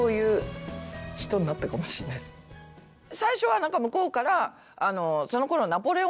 最初はなんか向こうから。